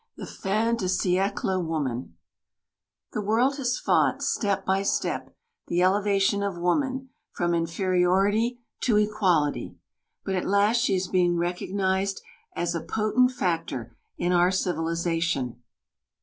The Fin de Siècle Woman The world has fought step by step the elevation of woman from inferiority to equality, but at last she is being recognised as a potent factor in our civilisation.